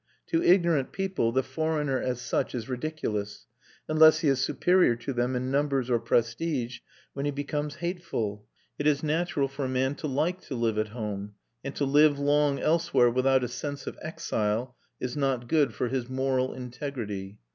To ignorant people the foreigner as such is ridiculous, unless he is superior to them in numbers or prestige, when he becomes hateful. It is natural for a man to like to live at home, and to live long elsewhere without a sense of exile is not good for his moral integrity.